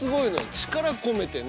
力込めてね